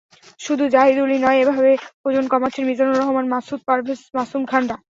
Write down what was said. শুধু জাহিদুলই নন, এভাবে ওজন কমাচ্ছেন মিজানুর রহমান, মাসুদ পারভেজ, মাসুম খানরা।